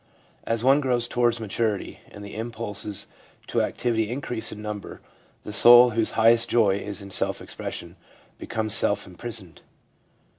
As one grows towards maturity, and the impulses to activity increase in number, the soul, whose highest joy is in self expression, becomes self imprisoned.